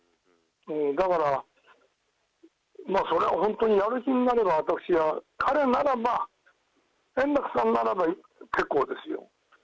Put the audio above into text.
だから、それは本当にやる気になれば私は、彼なら円楽さんなら結構ですよ。